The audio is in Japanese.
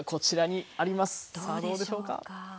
さあどうでしょうか。